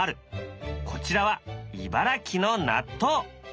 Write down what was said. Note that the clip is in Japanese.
こちらは茨城の納豆。